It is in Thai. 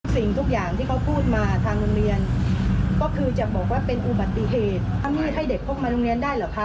สิ่งทุกอย่างที่เขาพูดมาทางโรงเรียน